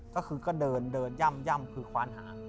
ก็คือก็เดินเดินย่ำคือคว้านหาง